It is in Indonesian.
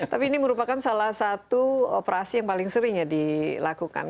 tapi ini merupakan salah satu operasi yang paling sering ya dilakukan